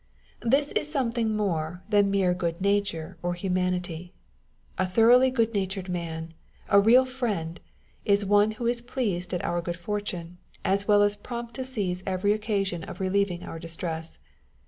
This is something more than mere good nature or humanity. A thoroughly good natured man, a real friend, is one who is pleased at our good fortune, as well as prompt to seize every occasion of relieving our distress.